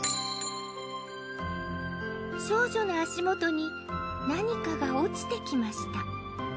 少女の足元に何かが落ちてきました